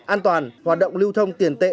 an toàn hoạt động lưu thông tiền tệ